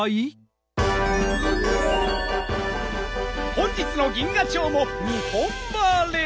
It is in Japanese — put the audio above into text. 本日の銀河町も日本ばれ！